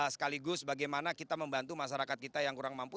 sekaligus bagaimana kita membantu masyarakat kita yang kurang mampu